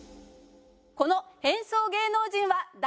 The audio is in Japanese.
「この変装芸能人は誰？